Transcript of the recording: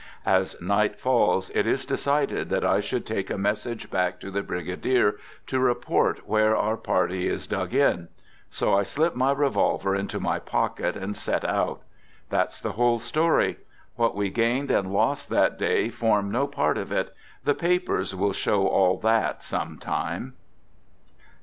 As night falls, it is decided that I should take a message back to the Brigadier to report where our party is dug in, so I slip my revolver into my pocket THE GOOD SOLDIER" 147 and set out .•. That's the whole story. What we gained and lost that day form no part of it — the papers will show all that some time.